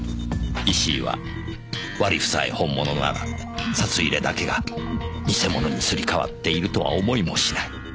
石井は割り符さえ本物なら札入れだけが偽物にすり替わっているとは思いもしない。